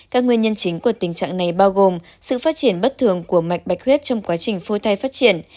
các nguyên nhân chính của tình trạng này bao gồm sự phát triển bất thường của mạch bạch huyết trong quá trình phôi thai phát triển